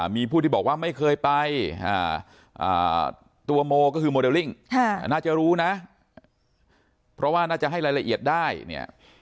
มีผู้ที่บอกว่าไม่เคยไปตัวโมก็คือโมเดลลิ่งน่าจะรู้นะเพราะว่าน่าจะให้รายละเอียดได้เนี่ย